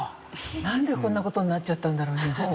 なんでこんな事になっちゃったんだろう日本は。